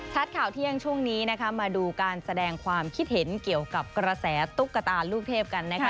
ข่าวเที่ยงช่วงนี้นะคะมาดูการแสดงความคิดเห็นเกี่ยวกับกระแสตุ๊กตาลูกเทพกันนะคะ